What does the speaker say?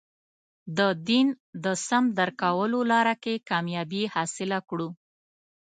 د دین د سم درک کولو لاره کې کامیابي حاصله کړو.